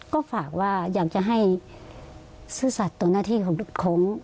ก็ฝากว่าอยากจะให้โซศัตริย์ตัวหน้าที่ของอาชีพตัวเอง